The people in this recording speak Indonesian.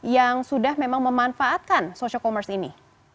yang sudah memang memanfaatkan social commerce ini